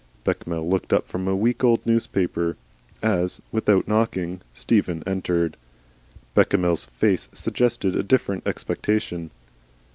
Bechamel looked up from a week old newspaper as, without knocking, Stephen entered. Bechamel's face suggested a different expectation.